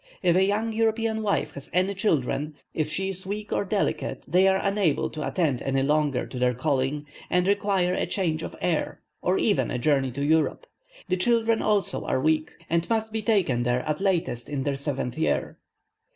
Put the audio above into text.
If a young European wife has any children, if she is weak or delicate, they are then unable to attend any longer to their calling, and require a change of air, or even a journey to Europe. The children also are weak, and must be taken there, at latest in their seventh year.